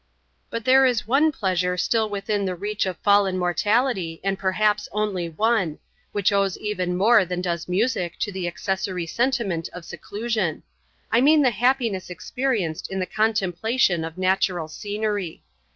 But there is one pleasure still within the reach of fallen mortality and perhaps only one—which owes even more than does music to the accessory sentiment of seclusion. I mean the happiness experienced in the contemplation of natural scenery.